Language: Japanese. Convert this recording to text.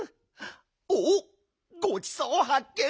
おっごちそうはっけん。